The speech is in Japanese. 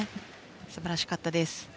素晴らしかったです。